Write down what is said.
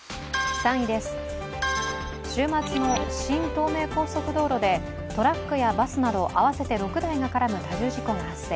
３位です、週末の新東名高速道路でトラックやバスなど合わせて６台が絡む多重事故が発生。